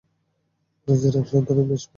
কুরাইশের এক সর্দারের মেষ চরাতেন।